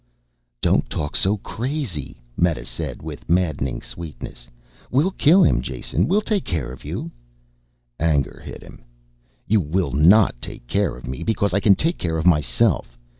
"Don't talk so crazy," Meta said with maddening sweetness. "We'll kill him, Jason. We'll take care of you." Anger hit him. "You will NOT take care of me because I can take care of myself.